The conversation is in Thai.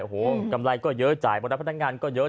โอ้โหกำไรก็เยอะจ่ายบรรดาพนักงานก็เยอะ